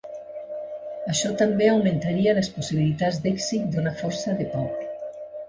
Això també augmentaria les possibilitats d'èxit d'una força de pau.